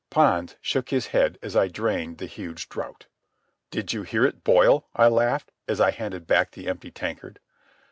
Pons shook his head as I drained the huge draught. "Did you hear it boil?" I laughed, as I handed back the empty tankard.